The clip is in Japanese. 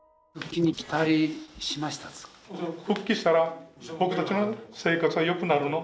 復帰したら僕たちの生活は良くなるの？